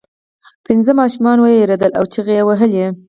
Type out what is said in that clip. پنځه ماشومان ویرېدل او چیغې یې وهلې.